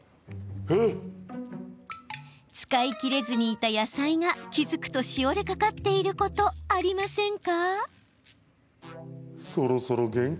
使い切れずにいた野菜が気付くとしおれかかっていることありませんか？